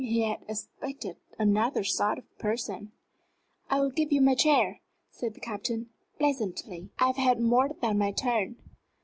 He had expected another sort of person. "I will give you my chair," said the Captain, pleasantly. "I have had more than my turn."